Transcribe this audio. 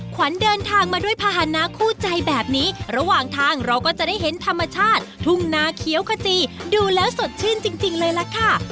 ขวัญเดินทางมาด้วยภาษณะคู่ใจแบบนี้ระหว่างทางเราก็จะได้เห็นธรรมชาติทุ่งนาเขียวขจีดูแล้วสดชื่นจริงเลยล่ะค่ะ